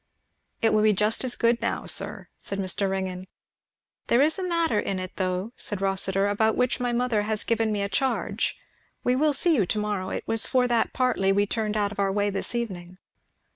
"It will be just as good now, sir," said Mr. Ringgan. "There is a matter in it though," said Rossitur, "about which my mother has given me a charge. We will see you to morrow. It was for that partly we turned out of our way this evening."